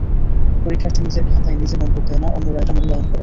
পরীক্ষার্থী নিজের খাতায় নিজে নম্বর দেয় না, অন্যরা এটা মূল্যায়ন করে।